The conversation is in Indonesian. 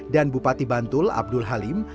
dan bupati bantul abdul halim